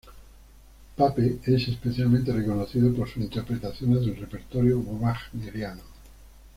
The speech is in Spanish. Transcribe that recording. Pape es especialmente reconocido por sus interpretaciones del repertorio wagneriano.